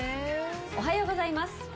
おはようございます。